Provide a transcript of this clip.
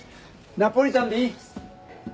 ナポリタンでいい？